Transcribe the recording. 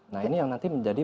nah ini yang nanti menjadi